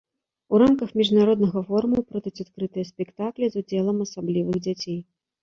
У рамках міжнароднага форуму пройдуць адкрытыя спектаклі з удзелам асаблівых дзяцей.